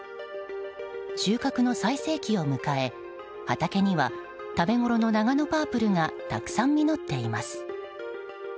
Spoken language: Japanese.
収穫の最盛期を迎え、畑には食べごろのナガノパープルがたくさん実っています。